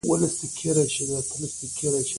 زليخا : هغه نورګل په دروازه کې ولاړ دى.